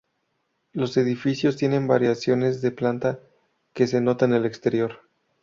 Los edificios tienen variaciones de planta, que se notan en el exterior.